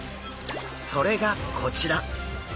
それがこちら。